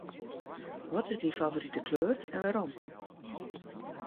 Wat is dyn favorite kleur en wêrom?